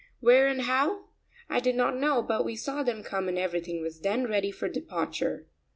Where, and how? I did not know but we saw them come and everything was then ready for the departure.